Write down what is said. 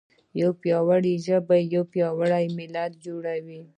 یوه پیاوړې ژبه پیاوړی ملت جوړوي.